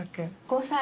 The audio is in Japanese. ５歳。